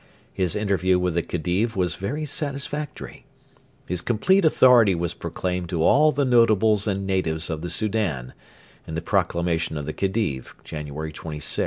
His interview with the Khedive was 'very satisfactory.' His complete authority was proclaimed to all the notables and natives of the Soudan [Proclamation of the Khedive, January 26, 1884.